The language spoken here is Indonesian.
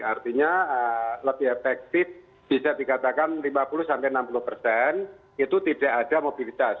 artinya lebih efektif bisa dikatakan lima puluh sampai enam puluh persen itu tidak ada mobilitas